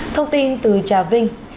thông tin từ trà vinh